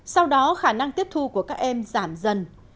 sau đó khả năng tiếp thu của các em giảm dần